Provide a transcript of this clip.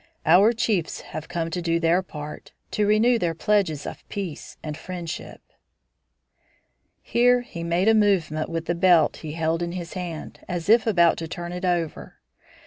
Our chiefs have come to do their part, to renew their pledges of peace and friendship." Here he made a movement with the belt he held in his hand, as if about to turn it over.